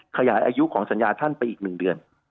ขยายอายุของสัญญาท่านไปอีก๑เดือน